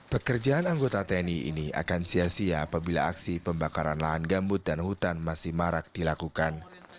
pekerjaan anggota tni ini akan sia sia apabila aksi pembakaran lahan gambut dan hutan masih marak dilakukan